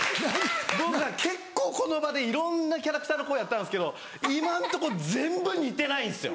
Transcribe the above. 僕結構この場でいろんなキャラクターの声やったんですけど今のとこ全部似てないんですよ。